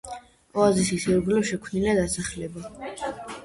ოაზისის ირგვლივ შექმნილია დასახლება.